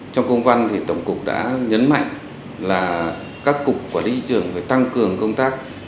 trong công văn thì tổng cục đã nhấn mạnh là các cục quản lý thị trường phải tăng cường công tác